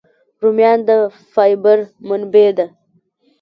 رومیان د فایبر منبع دي